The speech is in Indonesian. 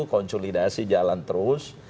konsolidasi jalan terus